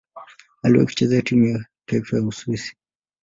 Aliwahi kucheza timu ya taifa ya Uswisi.